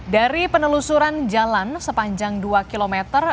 dari penelusuran jalan sepanjang dua km